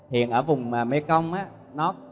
hiện ở vùng mekong